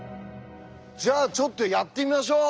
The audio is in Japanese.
じゃあちょっとやってみましょう！